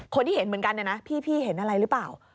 คนที่เห็นเหมือนกันนะพี่เห็นอะไรหรือเปล่า